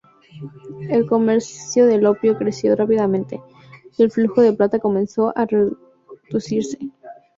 El comercio del opio creció rápidamente, y el flujo de plata comenzó a reducirse.